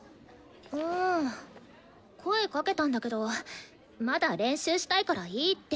うん声かけたんだけどまだ練習したいからいいって。